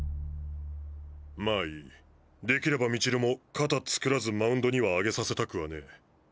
まあいいできれば道塁も肩つくらずマウンドには上げさせたくはねえ。